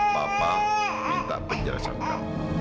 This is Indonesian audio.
papa minta penjara sangka